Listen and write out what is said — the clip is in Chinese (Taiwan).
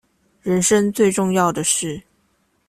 人生最重要的事